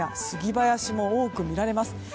スギ林も多く見られます。